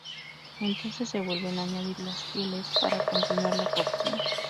Entonces se vuelven a añadir las pieles para continuar la cocción.